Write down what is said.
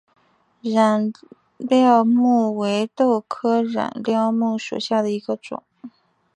染料木为豆科染料木属下的一个种。